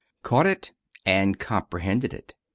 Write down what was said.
Caught it, and comprehended it.